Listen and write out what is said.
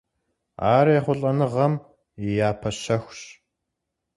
Ар ехъулӀэныгъэм и япэ щэхущ.